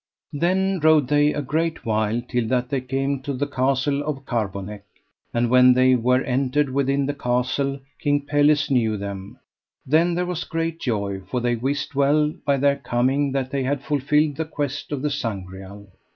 Then rode they a great while till that they came to the castle of Carbonek. And when they were entered within the castle King Pelles knew them; then there was great joy, for they wist well by their coming that they had fulfilled the quest of the Sangreal.